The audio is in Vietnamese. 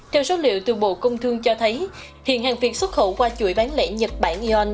theo số liệu từ bộ công thương cho thấy hiện hàng việt xuất khẩu qua chuỗi bán lẻ nhật bản eon